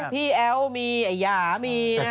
พี่แอลมีไอ้หยามีนะ